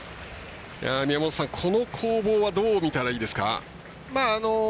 この攻防はどう見たらいいですか。